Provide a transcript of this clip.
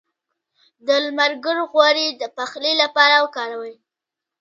د لمر ګل غوړي د پخلي لپاره وکاروئ